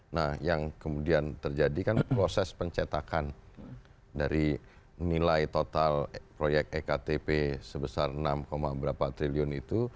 nah yang kemudian terjadi kan proses pencetakan dari nilai total proyek ektp sebesar enam berapa triliun itu